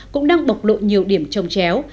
cũng đang bọc lộ nhiều điểm trông chéo